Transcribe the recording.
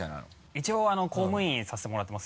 一応公務員させてもらってます。